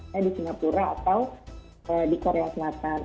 ya di singapura atau di korea selatan